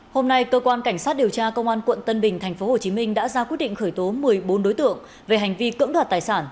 hôm nay cơ quan cảnh sát điều tra công an quận tân bình tp hcm đã ra quyết định khởi tố một mươi bốn đối tượng về hành vi cưỡng đoạt tài sản